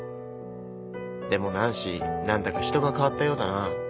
でもナンシー何だか人が変わったようだな。